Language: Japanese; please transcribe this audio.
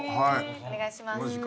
お願いします。